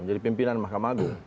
menjadi pimpinan mahkamah agung